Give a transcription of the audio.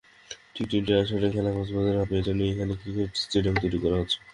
T twenty আসরের খেলা কক্সবাজারে হবে-এজন্যই এখানে ক্রিকেট স্টেডিয়াম তৈরি করা হচ্ছে।